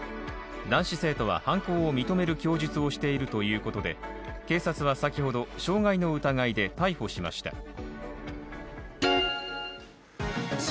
男子生徒は犯行を認める供述をしているということで警察は先ほど傷害の疑いで逮捕しました。